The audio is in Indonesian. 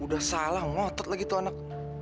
udah salah ngotot lagi tuh anak